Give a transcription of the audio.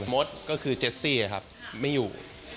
มดก็คือเจสซี่นะครับไม่อยู่